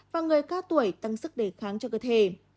và người cao tuổi tăng sức đề kháng cho cơ thể